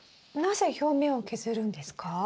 なぜ表面を削るんですか？